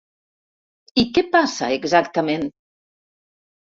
I què passa exactament?